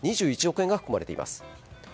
２１億円が含まれています。